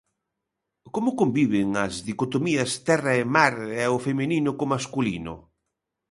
Como conviven as dicotomías terra e mar e o feminino co masculino?